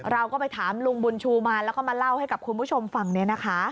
เราก็ไปถามลุงบุญชูมาแล้วก็มาเล่าให้กับคุณผู้ชมฟังเนี่ยนะคะ